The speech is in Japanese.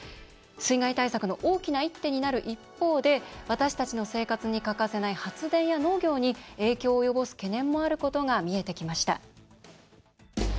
水害対策の大きな一手になる一方で私たちの生活に欠かせない発電や農業に影響を及ぼす懸念もあることが見えてきました。